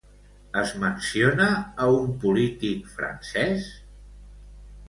Es menciona a un polític francès?